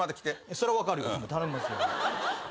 それは分かるよ。